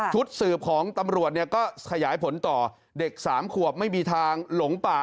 ชุดสืบของตำรวจเนี่ยก็ขยายผลต่อเด็ก๓ขวบไม่มีทางหลงป่า